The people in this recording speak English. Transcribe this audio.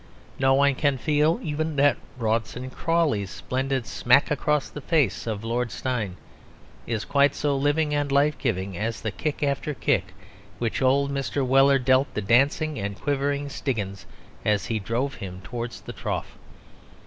No one can feel that even Rawdon Crawley's splendid smack across the face of Lord Steyne is quite so living and life giving as the "kick after kick" which old Mr. Weller dealt the dancing and quivering Stiggins as he drove him towards the trough.